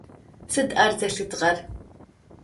Сыд ар зэлъытыгъэр?